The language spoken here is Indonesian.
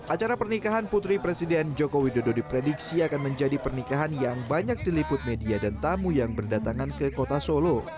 acara pernikahan putri presiden joko widodo diprediksi akan menjadi pernikahan yang banyak diliput media dan tamu yang berdatangan ke kota solo